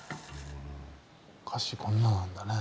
樫こんななんだね。